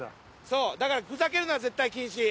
うだからふざけるのは絶対禁止。